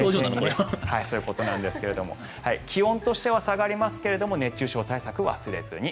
そういうことなんですが気温としては下がりますが熱中症対策忘れずに。